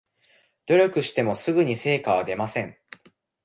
努力してもすぐに成果は出ません